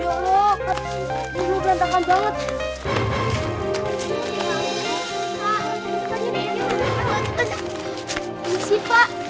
ini sih pak